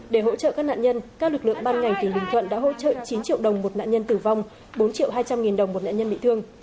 để hỗ trợ các nạn nhân các lực lượng ban ngành tỉnh bình thuận đã hỗ trợ chín triệu đồng một nạn nhân tử vong bốn triệu hai trăm linh nghìn đồng một nạn nhân bị thương